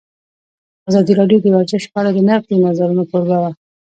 ازادي راډیو د ورزش په اړه د نقدي نظرونو کوربه وه.